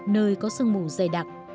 nơi có sương mù dày đặc